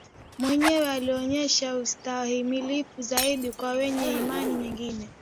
wenyewe walionyesha ustahimilivu zaidi kwa wenye imani nyingine